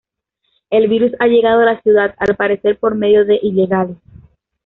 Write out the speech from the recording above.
El virus ha llegado a la ciudad, al parecer por medio de "ilegales".